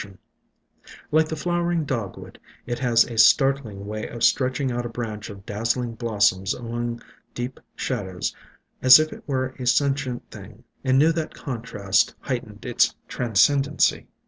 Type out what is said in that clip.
106 IN SILENT WOODS Like the Flowering Dogwood, it has a startling way of stretching out a branch of dazzling blos soms among deep shadows, as if it were a sentient thing, and knew that contrast heightened its tran scendency.